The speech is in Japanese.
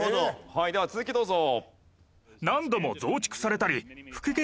はいでは続きどうぞ。